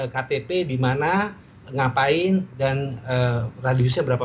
ktp dimana ngapain dan radiusnya berapa